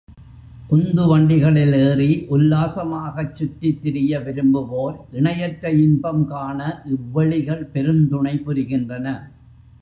உந்துவண்டிகளில் ஏறி உல்லாசமாகச் சுற்றித் திரிய விரும்புவோர், இணையற்ற இன்பம் காண இவ்வெளிகள் பெருந்துணை புரிகின்றன.